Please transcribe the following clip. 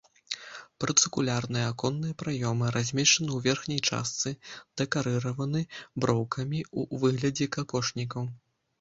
Паўцыркульныя аконныя праёмы размешчаны ў верхняй частцы, дэкарыраваны броўкамі ў выглядзе какошнікаў.